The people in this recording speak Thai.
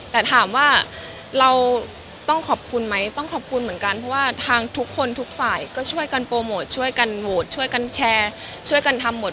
แต่ถามว่าเราต้องขอบคุณไหมต้องขอบคุณเหมือนกันเพราะว่าทางทุกคนทุกฝ่ายก็ช่วยกันโปรโมทช่วยกันโหวตช่วยกันแชร์ช่วยกันทำหมด